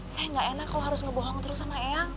saya enggak enak kalau harus ngebohong terus sama eang